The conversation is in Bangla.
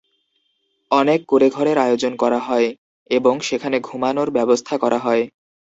অনেক কুঁড়েঘরের আয়োজন করা হয় এবং সেখানে ঘুমানোর ব্যবস্থা করা হয়।